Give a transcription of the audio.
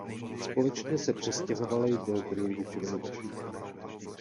Společně se přestěhovali do Greenwich Village.